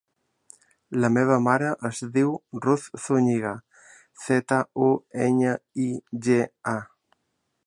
La meva mare es diu Ruth Zuñiga: zeta, u, enya, i, ge, a.